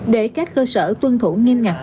để các cơ sở tuân thủ nghiêm ngặt